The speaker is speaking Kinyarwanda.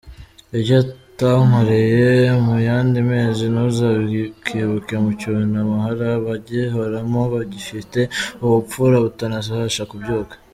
Icyo utankoreye mu yandi mezi ntuzakibuke mu cyunamo hari abagihoramo bagifite ubumfura batanabasha kubyuka.